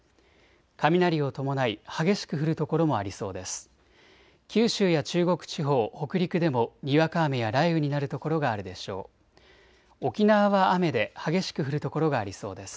雷を伴い激しく降る所もありそうです。